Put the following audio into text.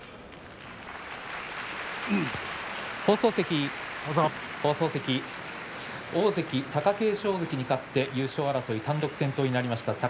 放送席、大関貴景勝関に勝って優勝争い、単独先頭になりました。